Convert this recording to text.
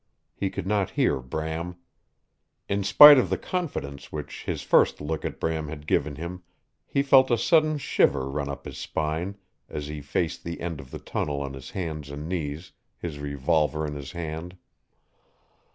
He could not hear Bram. In spite of the confidence which his first look at Bram had given him he felt a sudden shiver run up his spine as he faced the end of the tunnel on his hands and knees, his revolver in his hand.